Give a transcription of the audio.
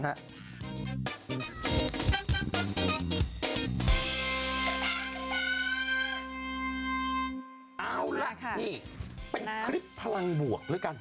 เอาละนี่เป็นคลิปพลังบวกแล้วกัน